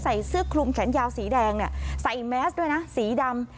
ใส่เสื้อคลุมแขนยาวสีแดงเนี่ยใส่แมสด้วยนะสีดำ